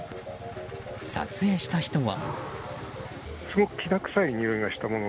撮影した人は。